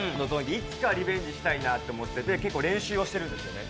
いつかリベンジしたいなと思って結構練習してるんですよね。